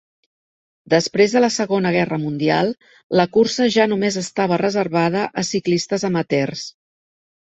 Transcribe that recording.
Després de la Segona Guerra Mundial la cursa ja només estava reservada a ciclistes amateurs.